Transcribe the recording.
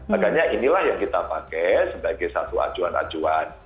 makanya inilah yang kita pakai sebagai satu acuan acuan